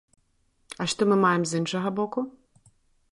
А што мы маем з іншага боку?